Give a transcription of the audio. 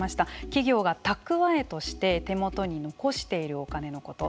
企業が蓄えとして手元に残しているお金のこと。